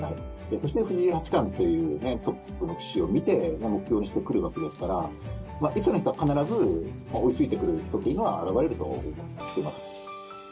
そして、藤井八冠というトップの棋士を見て、目標にしてくるわけですから、いつの日か必ず、追いついてくる人というのは現れると思ってます。